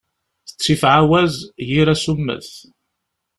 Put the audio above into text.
Ttif ɛawaz, yir asummet.